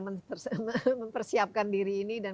mempersiapkan diri ini dan